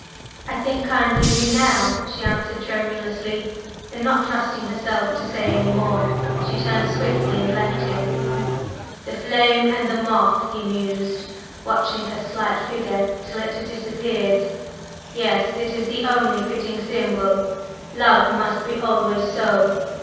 "I think kindly of you now," she answered tremulously; then, not trusting herself to say any more, she turned swiftly and left him. "The flame and the moth!" he mused, watching her slight figure till it had disappeared. "Yes, it is the only fitting symbol. Love must be always so.